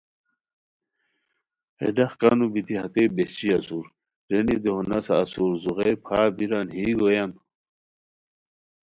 ہے ڈاق کانو بیتی ہتے بہچی اسور، رینی دی ہو نسہ اسور زوغئے پھار بیران یی گویان!